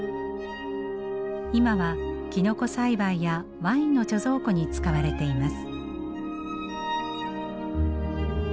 今はキノコ栽培やワインの貯蔵庫に使われています。